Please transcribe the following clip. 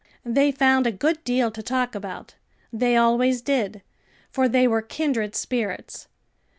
They found a good deal to talk about; they always did, for they were kindred spirits.